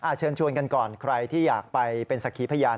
เชิญชวนกันก่อนใครที่อยากไปเป็นสักขีพยาน